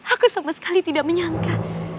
aku sama sekali tidak menyangka